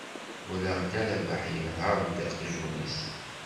Walaɣ dda Rabeḥ yenher-d aqjun-is.